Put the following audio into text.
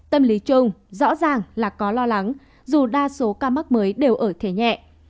tâm lý chung rõ ràng là có lo lắng dù đa số ca mắc mới đều ở thế nhẹ